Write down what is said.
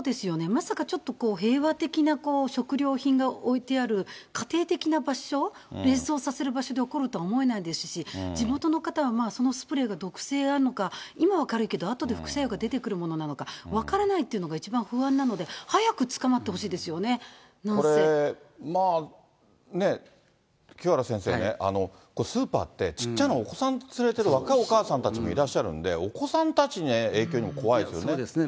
まさかちょっと平和的な食料品が置いてある、家庭的な場所を連想させる場所で起きるとは思わないし、地元の方は、そのスプレーは毒性あるのか、今は軽いけど、あとで副作用が出てくるものなのか分からないというのが、一番不安なのこれ、清原先生ね、スーパーって、小っちゃなお子さん連れてる若いお母さんたちもいらっしゃるんで、お子さんたちへの影響も怖いですよね。